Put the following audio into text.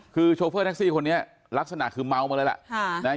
คือโชเฟอร์แท็กซี่คนนี้ลักษณะคือเมามาเลยแหละ